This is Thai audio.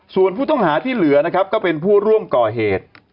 ส่วนผู้ต้องหาที่เหลือนะครับก็เป็นผู้ร่วมก่อเหตุ